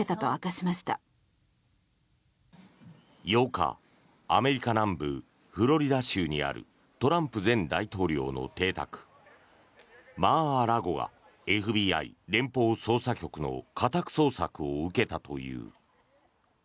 ８日アメリカ南部フロリダ州にあるトランプ前大統領の邸宅マー・ア・ラゴがＦＢＩ・連邦捜査局の家宅捜索を受けたという。